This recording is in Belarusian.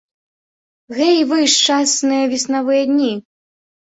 Гэй вы, шчасныя веснавыя дні!